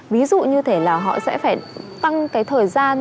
ví dụ như thế là họ sẽ phải tăng cái thời gian